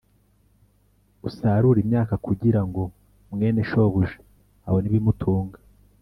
usarure imyaka kugira ngo mwene shobuja abone ibimutunga.